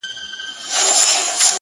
څنګه د بورا د سینې اور وینو،